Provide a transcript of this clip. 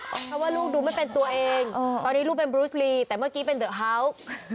เพราะว่าลูกดูไม่เป็นตัวเองตอนนี้ลูกเป็นบรูสลีแต่เมื่อกี้เป็นเดอะเฮาส์